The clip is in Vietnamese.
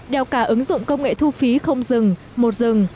đeo cả ứng dụng công nghệ thu phí không rừng một rừng